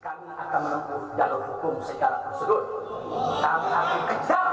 kami akan menempuh jalur hukum sejarah tersebut